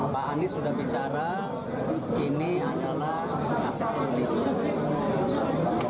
pak anies sudah bicara ini adalah aset indonesia